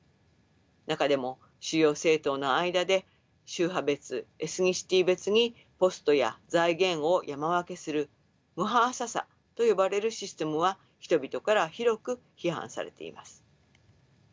中でも主要政党の間で宗派別エスニシティー別にポストや財源を山分けするムハーササと呼ばれるシステムは人々から広く批判されています。